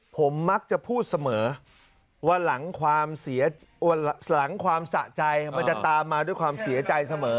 ผมมักจะพูดเสมอว่าหลังความหลังความสะใจมันจะตามมาด้วยความเสียใจเสมอ